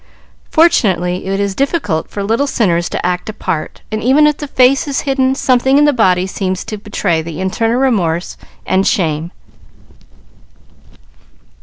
Fortunately, it is difficult for little sinners to act a part, and, even if the face is hidden, something in the body seems to betray the internal remorse and shame.